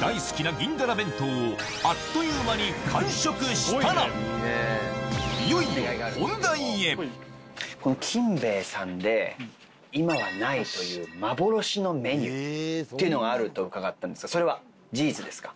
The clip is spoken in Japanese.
大好きな銀だら弁当をこの金兵衛さんで今はないという幻のメニューっていうのがあると伺ったんですがそれは事実ですか？